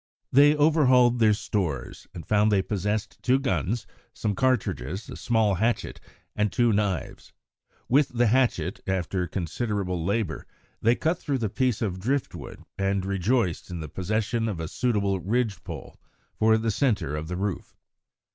They overhauled their stores, and found they possessed two guns, some cartridges, a small hatchet, and two knives. With the hatchet, after considerable labour, they cut through the piece of drift wood, and rejoiced in the possession of a suitable ridge pole for the centre of the roof.